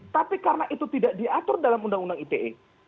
tapi karena itu tidak diatur dalam undang undang ite